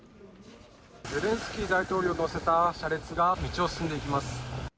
ゼレンスキー大統領を乗せた車列が道を進んでいきます。